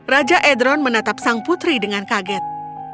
raja edron menatap sang putri dengan kaget